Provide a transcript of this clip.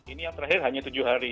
ini yang terakhir hanya tujuh hari